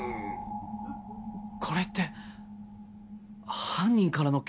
これって犯人からの警告？